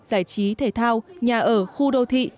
giải trí thể thao nhà ở khu đô thị